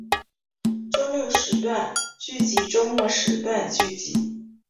周六时段剧集周末时段剧集